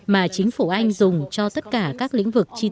mà chính phủ anh dùng cho tất cả các lĩnh vực chi tiết